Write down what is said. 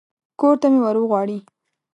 کور ته مې ور وغواړي.